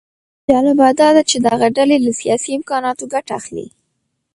جالبه داده چې دغه ډلې له سیاسي امکاناتو ګټه اخلي